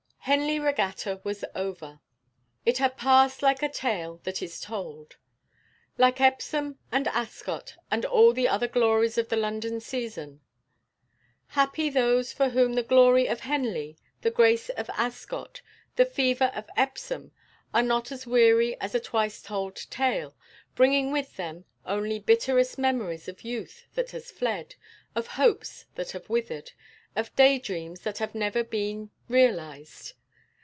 Henley Regatta was over. It had passed like a tale that is told; like Epsom and Ascot, and all the other glories of the London season. Happy those for whom the glory of Henley, the grace of Ascot, the fever of Epsom, are not as weary as a twice told tale, bringing with them only bitterest memories of youth that has fled, of hopes that have withered, of day dreams that have never been realised.